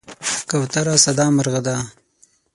کوتره ساده مرغه ده.